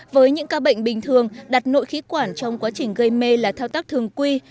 với những ca bệnh bình thường đặt nội khí quản trong quá trình gây mê là thao tác thường quy